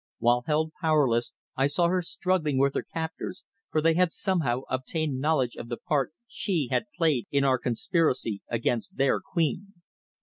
While held powerless I saw her struggling with her captors, for they had somehow obtained knowledge of the part she had played in our conspiracy against their queen.